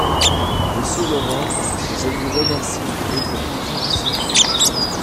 Monsieur Laurent, je vous remercie pour votre compréhension.